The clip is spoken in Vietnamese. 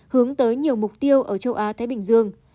hướng tới nhiều mục tiêu ở châu á thái bình dương